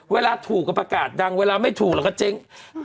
เวลาถูกก็ประกาศดังเวลาไม่ถูกเราก็เจ๊ง